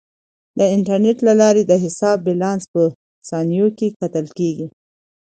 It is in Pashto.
د انټرنیټ له لارې د حساب بیلانس په ثانیو کې کتل کیږي.